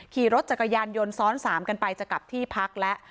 ขี่รถจักรยานยนต์ซ้อน๓กันไปจะกลับที่พักแล้ว